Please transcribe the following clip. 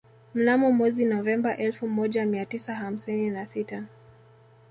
Mnamo mwezi Novemba elfu moja mia tisa hamsini na sita